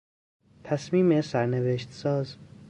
تصمیم سرنوشت ساز